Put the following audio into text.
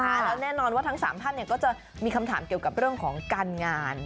แล้วแน่นอนว่าทั้ง๓ท่านก็จะมีคำถามเกี่ยวกับเรื่องของการงาน